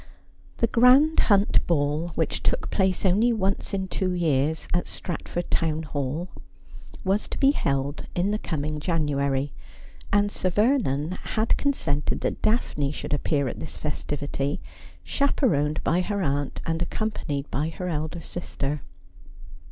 The grand Hunt Ball, which took place only once in two years at Stratford Town Hall, was to be held in the coming January, and Sir Vernon had consented that Daphne should appear at this festivity, chaperoned by her aunt and accom panied by her elder sister.